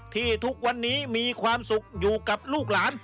ทุกวันนี้มีความสุขอยู่กับลูกหลาน